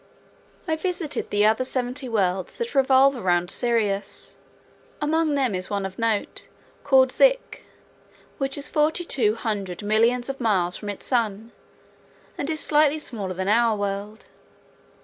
I visited the other seventy worlds that revolve around Sirius. Among them is one of note, called Zik, which is forty two hundred millions of miles from its sun, and is slightly smaller than our world.